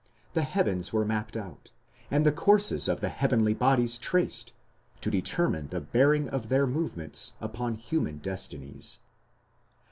The heavens were mapped out, and the courses of the heavenly bodies traced to determine the bearing of their movements upon human destinies."